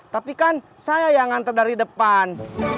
tapi kan saya yang nganter dari depan